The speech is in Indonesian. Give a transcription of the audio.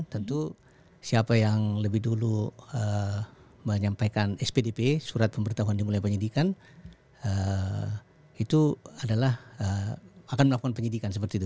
tentu siapa yang lebih dulu menyampaikan spdp surat pemberitahuan dimulai penyidikan itu adalah akan melakukan penyidikan seperti itu